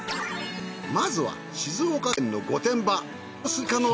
まずは静岡県の御殿場。